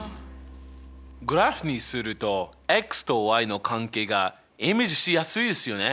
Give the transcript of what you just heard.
グラフにするととの関係がイメージしやすいですよね。